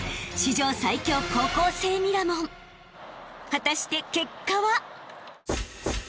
［果たして結果は？］